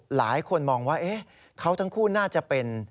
หลายคนมองว่าเขาทั้งคู่น่าจะเป็น